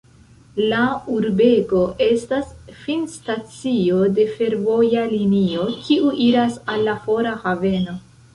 La urbego estas finstacio de fervoja linio, kiu iras al la fora haveno.